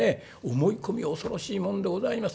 思い込みは恐ろしいもんでございます。